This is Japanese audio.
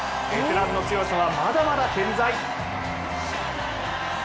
ベテランの強さはまだまだ健在。